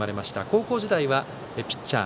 高校時代はピッチャー